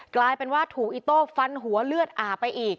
กลายเป็นว่าถูกอิโต้ฟันหัวเลือดอาบไปอีก